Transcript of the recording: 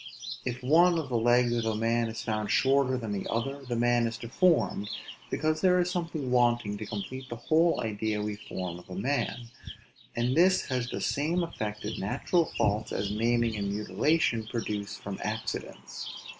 If one of the legs of a man be found shorter than the other, the man is deformed; because there is something wanting to complete the whole idea we form of a man; and this has the same effect in natural faults, as maiming and mutilation produce from accidents.